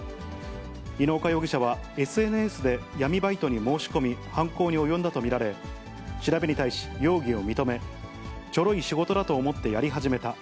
猪岡容疑者はＳＮＳで闇バイトに申し込み、犯行に及んだと見られ、調べに対し容疑を認め、チョロい仕事だと思ってやり始めた。